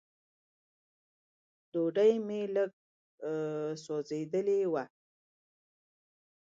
ډوډۍ مې لږ سوځېدلې وه.